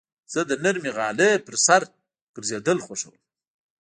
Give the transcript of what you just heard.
زه د نرم غالۍ پر سر ګرځېدل خوښوم.